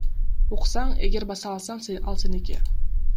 Уксаң, эгер баса алсаң ал сеники.